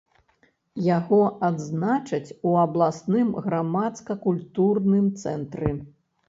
Яго адзначаць у абласным грамадска-культурным цэнтры.